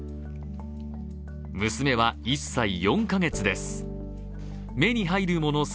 娘は１歳４か月です。